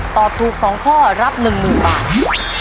ตอบถูก๒ข้อรับ๑๐๐๐บาท